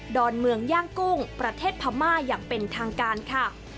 อนเมืองย่างกุ้งประเทศพม่าอย่างเป็นทางการค่ะ